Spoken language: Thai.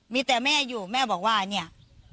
มีแต่แม่อยู่แม่บอกว่าเนี่ย